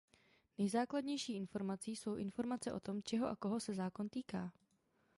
Nejzákladnější informací jsou informace o tom čeho a koho se zákon týká.